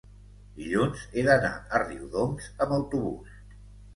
dilluns he d'anar a Riudoms amb autobús.